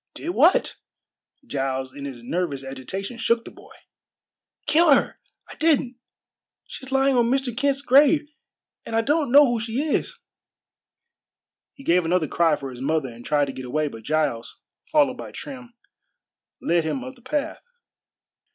"Did what?" Giles in his nervous agitation shook the boy. "Killed her! I didn't! She's lying on Mr. Kent's grave, and I don't know who she is." He gave another cry for his mother and tried to get away, but Giles, followed by Trim, led him up the path.